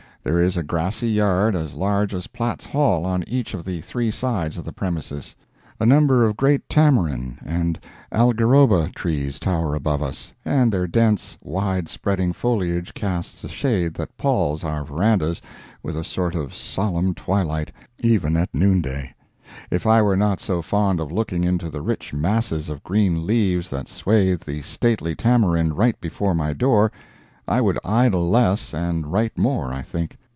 There is a grassy yard as large as Platt's Hall on each of the three sides of the premises; a number of great tamarind and algeraba trees tower above us, and their dense, wide spreading foliage casts a shade that palls our verandas with a sort of solemn twilight, even at noonday. If I were not so fond of looking into the rich masses of green leaves that swathe the stately tamarind right before my door, I would idle less and write more, I think.